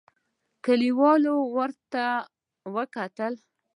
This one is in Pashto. کليوالو ورته وکتل.